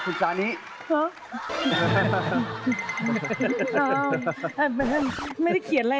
คุณซ้านี้